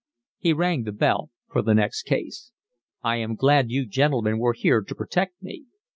He rang the bell for the next case. "I am glad you gentlemen were here to protect me."